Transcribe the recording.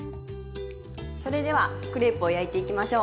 それではクレープを焼いていきましょう。